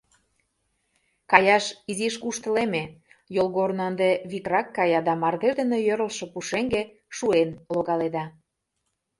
Каяш изиш куштылеме — йолгорно ынде викрак кая да мардеж дене йӧрлшӧ пушеҥге шуэн логаледа.